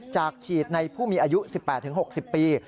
ฉีดในผู้มีอายุ๑๘๖๐ปี